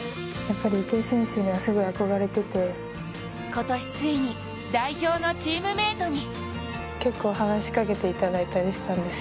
今年ついに代表のチームメイトに。